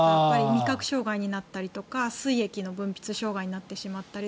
味覚障害になったりとかすい液の分泌障害になってしまったり。